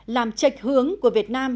làm trệch hướng của việt nam